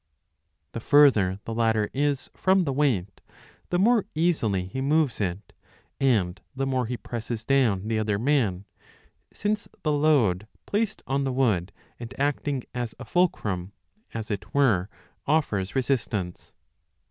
The further the latter is from the weight, the more easily he moves it, and the more he presses down the other man, since the load placed on the wood and acting as a fulcrum, as it were, offers resistance.